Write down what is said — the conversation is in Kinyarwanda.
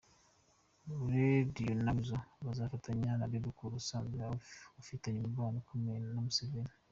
Radio na Weasel bazafatanya na Bebe Cool, usanzwe ufitanye umubano ukomeye na Museveni.